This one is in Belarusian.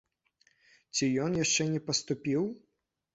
Ці ён яшчэ не паступіў?